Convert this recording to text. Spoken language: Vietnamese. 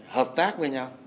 hợp tác với nhau